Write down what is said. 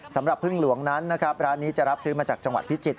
สำหรับพึ่งหลวงนั้นนะครับร้านนี้จะรับซื้อมาจากจังหวัดพิจิตร